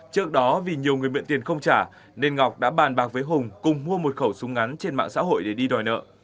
trước đó vì nhiều người miễn tiền không trả nên ngọc đã bàn bạc với hùng cùng mua một khẩu súng ngắn trên mạng xã hội để đi đòi nợ